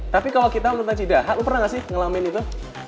tapi kalau kita menurut cidaha lo pernah gak sih ngelamin itu